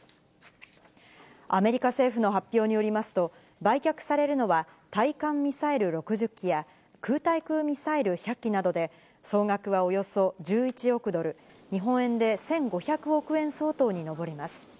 アメリカ政府の発表によりますと、売却されるのは、対艦ミサイル６０基や、空対空ミサイル１００基などで、総額はおよそ１１億ドル、日本円で１５００億円相当に上ります。